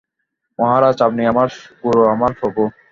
মহারাজ আপনি আমার গুরু, আমার প্রভু।